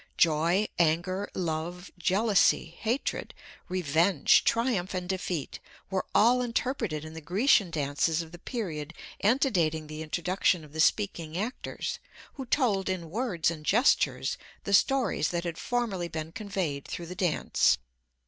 Joy, anger, love, jealousy, hatred, revenge, triumph and defeat were all interpreted in the Grecian dances of the period antedating the introduction of the speaking actors, who told in words and gestures the stories that had formerly been conveyed through the dance.